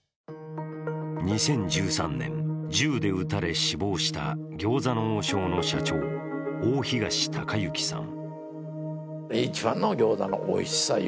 ２０１３年、銃で撃たれ死亡した餃子の王将の社長、大東隆行さん。